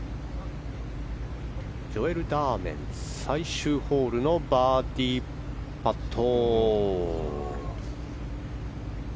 ジョエル・ダーメン最終ホールのバーディーパット。